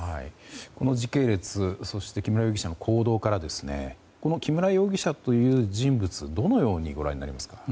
この時系列そして、木村容疑者の行動から木村容疑者という人物はどのようにご覧になりますか？